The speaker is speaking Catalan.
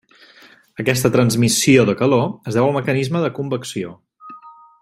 Aquesta transmissió de calor es deu al mecanisme de convecció.